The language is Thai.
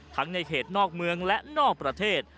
ในเขตนอกเมืองและนอกประเทศ